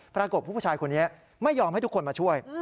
ปรากฏว่าผู้ชายคนนี้ไม่ยอมให้ทุกคนมาช่วย